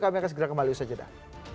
kami akan segera kembali ke sajadan